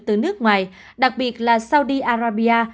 từ nước ngoài đặc biệt là saudi arabia